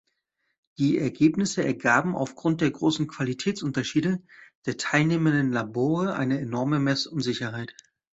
Die Ergebnisse ergaben aufgrund der großen Qualitätsunterschiede der teilnehmenden Labore eine enorme Messunsicherheit.